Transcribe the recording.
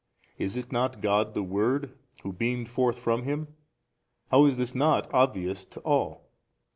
is it not God the Word Who beamed forth from Him? how is this not obvious to all?